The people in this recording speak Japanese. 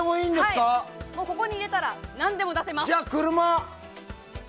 ここに入れたら何でも出せます。